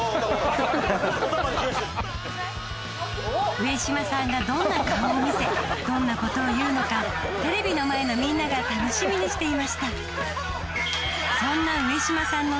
上島さんがどんな顔を見せどんなことを言うのかテレビの前のみんなが楽しみにしていました